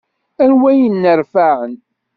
Anwa i yenneṛfaɛen?